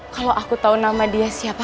kalau aku tahu nama dia siapa